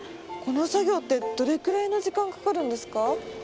このさぎょうってどれくらいのじかんかかるんですか？